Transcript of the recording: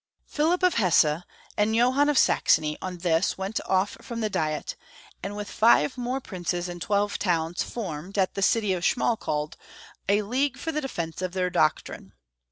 Pliilip of Hesse and Johann of Saxony on this went off from the diet, and with five more princ^» CharleB V. 287 and twelve towns formed, at the city of Schmal kalde, a league for the defence of their doctrine.